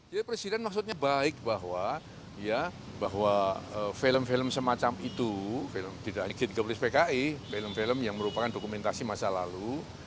jadi presiden maksudnya baik bahwa film film semacam itu film yang merupakan dokumentasi masa lalu